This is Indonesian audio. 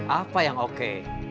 apa yang oke